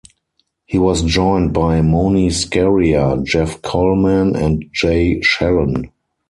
He was joined by Moni Scaria, Jeff Kollman and Jay Schellen.